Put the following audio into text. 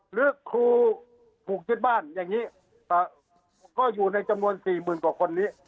หรือครูถูกยึดบ้านอย่างนี้ก็อยู่ในจำนวน๔๐๐๐กว่าคนนี้